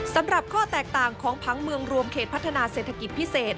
สำหรับข้อแตกต่างของผังเมืองรวมเขตพัฒนาเศรษฐกิจพิเศษ